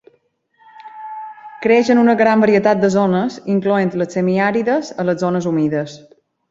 Creix en una gran varietat de zones incloent les semiàrides a les zones humides.